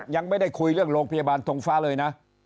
ยังไม่ได้คุยเรื่องโรงพยาบาลทงฟ้าเลยนะ